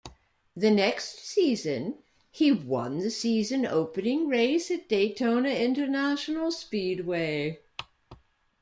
The next season, he won the season opening-race at Daytona International Speedway.